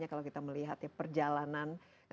kalau kita melihat perjalanan